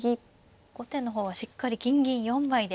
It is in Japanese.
後手の方はしっかり金銀４枚で。